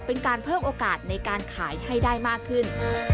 เป็นการเพิ่มโอกาสในการขายให้ได้มากขึ้น